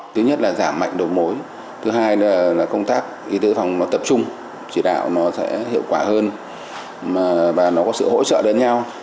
thứ hai là công tác y tế phòng nó tập trung chỉ đạo nó sẽ hiệu quả hơn và nó có sự hỗ trợ đến nhau